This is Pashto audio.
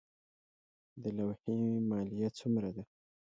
د لوحې مالیه څومره ده؟